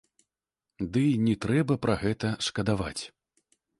Дый не трэба пра гэта шкадаваць.